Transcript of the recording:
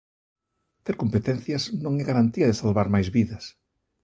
Ter competencias non é garantía de salvar máis vidas.